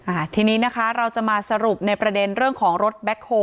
อ่าทีนี้นะคะเราจะมาสรุปในประเด็นเรื่องของรถแบ็คโฮล